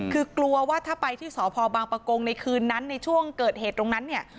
คือกลัวว่าถ้าไปที่สพบางประกงในคืนนั้นในช่วงเกิดเหตุตรงนั้นเนี่ย